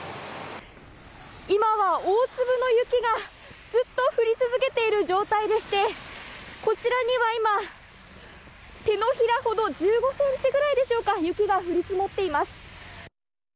今は大粒の雪がずっと降り続けている状態でしてこちらには今、手のひらほど１５ｃｍくらいでしょうか雪が降り積もっています。